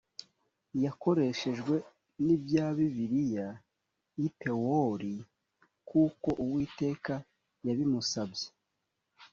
yakoreshejwe n’ibya bibiliya y’i pewori kuko uwiteka yabimusabye